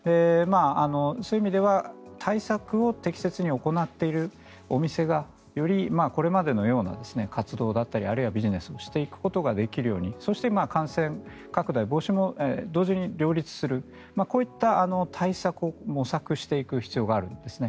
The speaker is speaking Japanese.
そういう意味では対策を適切に行っているお店がよりこれまでのような活動だったりあるいはビジネスをしていくことができるようにそして、感染拡大防止も同時に両立するこういった対策を模索していく必要があるんですね。